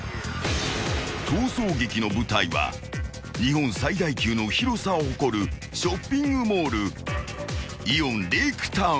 ［逃走劇の舞台は日本最大級の広さを誇るショッピングモール］